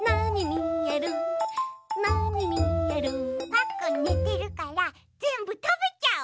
パックンねてるからぜんぶたべちゃおう！